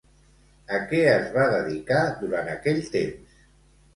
A què es va dedicar durant aquell temps?